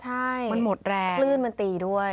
ใช่มันหมดแรงคลื่นมันตีด้วย